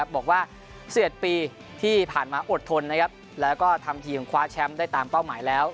บอกว่า๑๑ปีที่ผ่านมาอดทนแล้วก็ทำทีมคว้าแชมป์ได้ตามเป้าหมายแล้ว